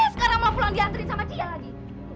sekarang mau pulang diantri sama cia lagi